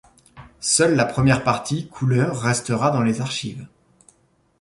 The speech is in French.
Seule la première partie couleurs restera dans les archives.